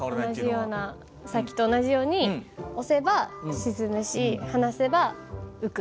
さっきと同じように押せば沈むし離せば浮く。